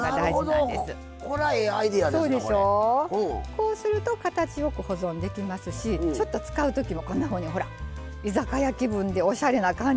こうすると形よく保存できますしちょっと使う時もこんなふうにほら居酒屋気分でおしゃれな感じ。